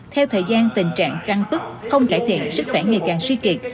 theo thời gian tình trạng căng tức không cải thiện sức khỏe ngày càng suy kiệt